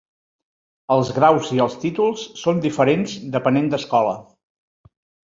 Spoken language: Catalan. Els graus i els títols són diferents depenent d'escola.